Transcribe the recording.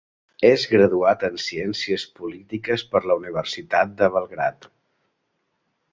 És graduat en ciències polítiques per la Universitat de Belgrad.